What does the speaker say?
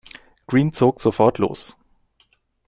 Green zog sofort los.